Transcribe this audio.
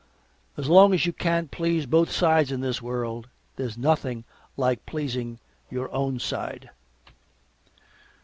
As long as you can't please both sides in this world, there's nothing like pleasing your own side.